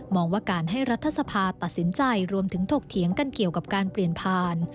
ว่าการให้รัฐสภาตัดสินใจรวมถึงถกเถียงกันเกี่ยวกับการเปลี่ยนผ่าน